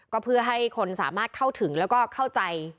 ก็เพื่อให้คนสามารถเข้าถึงแล้วก็เข้าใจ